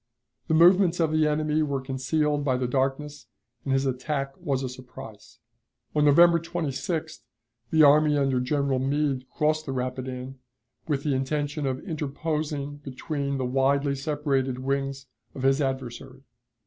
The movements of the enemy were concealed by the darkness, and his attack was a surprise. On November 26th the army under General Meade crossed the Rapidan, with the intention of interposing between the widely separated wings of his adversary.